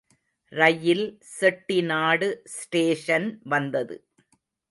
ரயில் Chettinad station வந்தது.